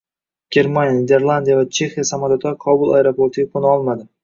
Germaniya, Niderlandiya va Chexiya samolyotlari Kobul aeroportiga qo‘na olmadi